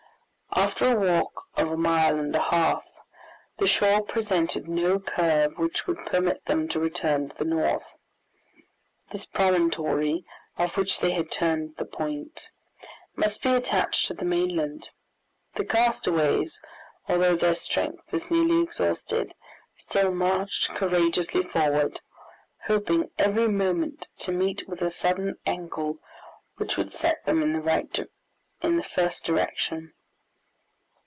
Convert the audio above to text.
After a walk of a mile and a half, the shore presented no curve which would permit them to return to the north. This promontory, of which they had turned the point, must be attached to the mainland. The castaways, although their strength was nearly exhausted, still marched courageously forward, hoping every moment to meet with a sudden angle which would set them in the first direction.